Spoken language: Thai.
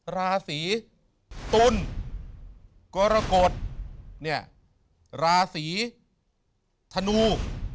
ราศีตุลกรกฎราศีธนู